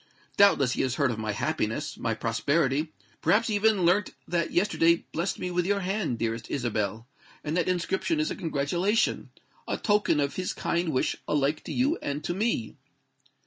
Doubtless he has heard of my happiness—my prosperity: perhaps he even learnt that yesterday blest me with your hand, dearest Isabel; and that inscription is a congratulation—a token of his kind wish alike to you and to me."